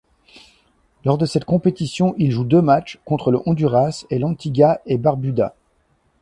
Lors de cette compétition, il joue deux matchs, contre le Honduras, et l'Antigua-et-Barbuda.